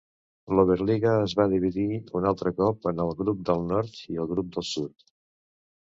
L'Oberliga es va dividir un altre cop en el grup del nord i el grup del sud.